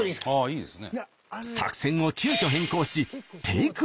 いいですよ。